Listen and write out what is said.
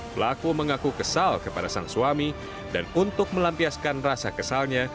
pelaku mengaku kesal kepada sang suami dan untuk melampiaskan rasa kesalnya